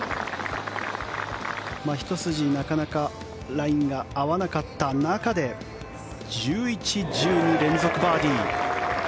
ひと筋、なかなかラインが合わなかった中で１１、１２連続バーディー。